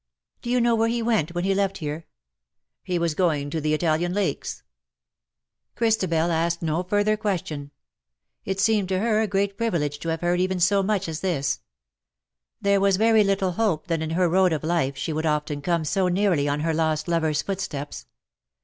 ^^'^ Do you know where he went when he left here ?'" He was going to the Italian lakes. ^■' l2 148 " NOT THE GODS CAN SHAKE THE PAST. ' Christabel asked no further question. It seemed to her a great privilege to have heard even so much as this. There was very little hope that in her road of life she would often come so nearly on her lost lover's footsteps.